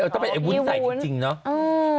ก็เป็นไอ้วุ้นใส่จริงเนาะ